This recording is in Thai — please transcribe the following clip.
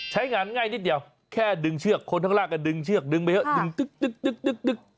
ใช้งานง่ายนิดเดียวแค่ดึงเชือกคนข้างล่างก็ดึงเชือกดึงไปเถอะดึง